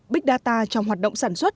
big data trong hoạt động sản xuất